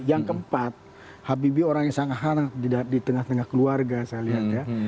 yang keempat habibie orang yang sangat hangat di tengah tengah keluarga saya lihat ya